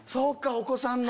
お子さんの。